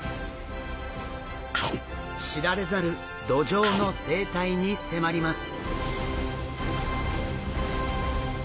知られざるドジョウの生態に迫ります。